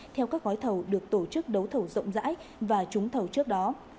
theo các gói thầu được tổ chức đấu thầu rộng rãi và trúng thầu trước đó